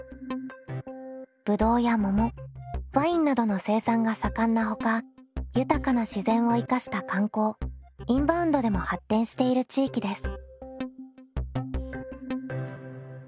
ぶどうや桃ワインなどの生産が盛んなほか豊かな自然を生かした観光インバウンドでも発展している地域です。